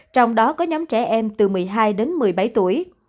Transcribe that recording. trong đó có nhóm trẻ em từ một mươi hai đến một mươi bảy tuổi